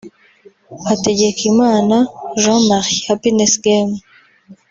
Hategekimana Jean Marie (Happiness game)